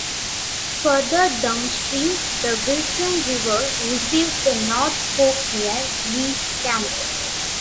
Further downstream, the Wilson River receives the North Fork near Lees Camp.